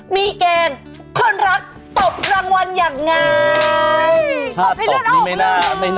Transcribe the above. มีเกณฑ์คนรักตบรางวัลอย่างไร